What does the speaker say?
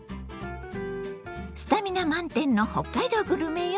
スタミナ満点の北海道グルメよ。